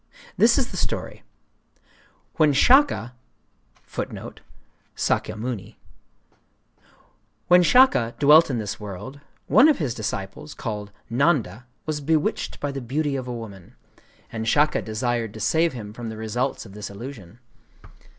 This is the story:— "When Shaka dwelt in this world, one of his disciples, called Nanda, was bewitched by the beauty of a woman; and Shaka desired to save him from the results of this illusion.